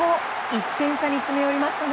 １点差に詰め寄りましたね